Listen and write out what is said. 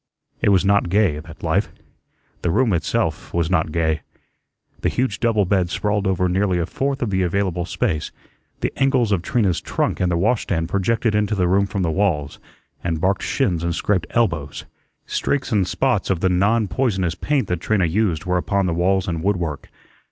It was not gay, that life. The room itself was not gay. The huge double bed sprawled over nearly a fourth of the available space; the angles of Trina's trunk and the washstand projected into the room from the walls, and barked shins and scraped elbows. Streaks and spots of the "non poisonous" paint that Trina used were upon the walls and wood work.